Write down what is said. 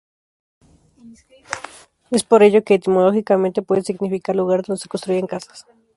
Es por ello que etimológicamente puede significar "Lugar donde se construyen casas".